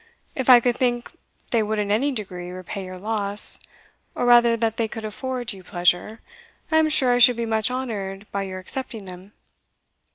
If I could think they would in any degree repay your loss, or rather that they could afford you pleasure, I am sure I should be much honoured by your accepting them."